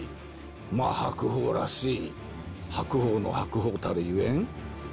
まあ白鵬らしい、白鵬の白鵬たるゆえん。